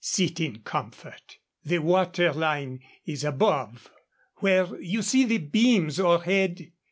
"Sit in comfort. The water line is above, where you see the beams o'erhead.